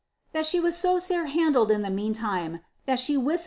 * that she was so sair handled in the meantime, thai she tcistf.